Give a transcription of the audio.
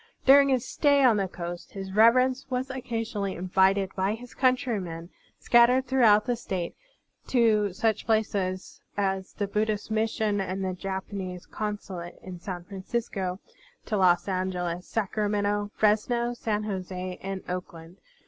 During his stay on the coast. His Reverence was occasionally invited by his cotmtrymen, scat tered throughout the State, to such places as the Buddhist Mission and the Japanese Con sulate in San Francisco, to Los Angeles, Sacra mento, Fresno, San Jose, and Oakland.